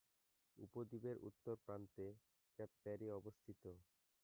উপদ্বীপের উত্তর প্রান্তে কেপ প্যারি অবস্থিত।